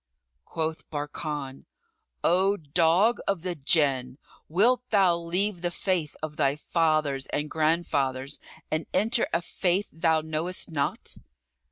Quoth Barkan, "O dog of the Jann, wilt thou leave the faith of thy fathers and grandfathers and enter a faith thou knowest not?"